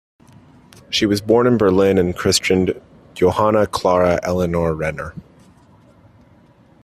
She was born in Berlin and christened "Johanna Klara Eleonore Renner".